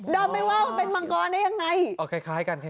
ดำไม่ว่าเป็นมังกรได้ยังไง